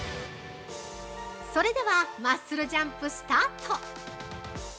それではマッスルジャンプスタート。